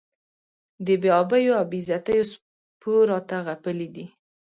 د بې آبیو او بې عزتیو سپو راته غپلي دي.